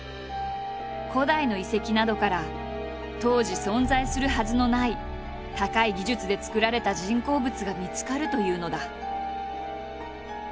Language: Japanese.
古代の遺跡などから当時存在するはずのない高い技術で作られた人工物が見つかるというのだ。